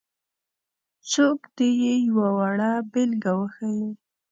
څوک دې یې یوه وړه بېلګه وښيي.